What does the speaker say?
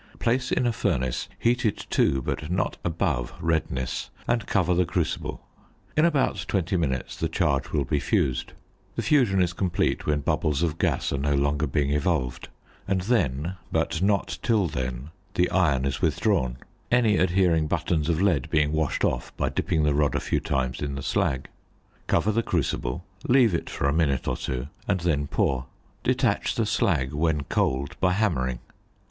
Place in a furnace heated to, but not above, redness, and cover the crucible. In about twenty minutes the charge will be fused: the fusion is complete when bubbles of gas are no longer being evolved; and then, but not till then, the iron is withdrawn, any adhering buttons of lead being washed off by dipping the rod a few times in the slag. Cover the crucible, leave it for a minute or two, and then pour. Detach the slag, when cold, by hammering.